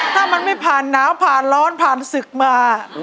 ถ้ามันไม่ผ่านหนาวผ่านร้อนผ่านศึกมา